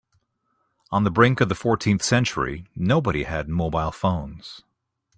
On the brink of the fourteenth century, nobody had mobile phones.